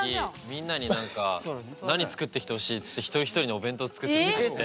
みんなになんか何作ってきてほしいっつって一人一人にお弁当作ってきてくれて。